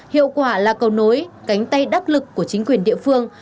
hiệu quả là cầu nối cánh tay đắc lực của chính quyền địa phương